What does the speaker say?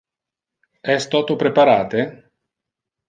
Es toto preparate?